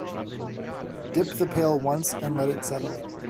Dip the pail once and let it settle.